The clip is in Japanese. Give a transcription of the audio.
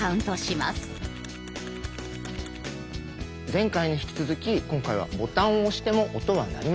前回に引き続き今回はボタンを押しても音は鳴りません。